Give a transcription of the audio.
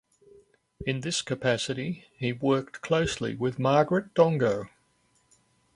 In this capacity he worked closely with Margaret Dongo.